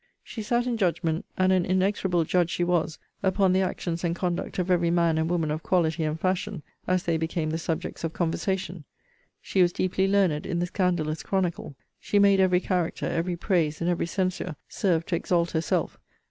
She sat in judgment, and an inexorable judge she was upon the actions and conduct of every man and woman of quality and fashion, as they became the subjects of conversation. She was deeply learned in the scandalous chronicle: she made every character, every praise, and every censure, serve to exalt herself.